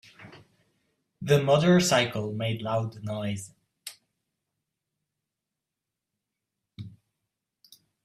The motorcycle made loud noise.